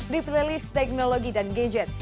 di playlist teknologi dan gadget